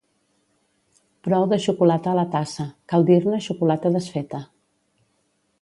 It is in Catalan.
Prou de xocolata a la tassa, cal dir-ne xocolata desfeta.